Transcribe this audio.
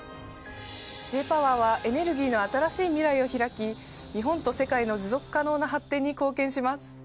Ｊ−ＰＯＷＥＲはエネルギーの新しい未来を拓き日本と世界の持続可能な発展に貢献します。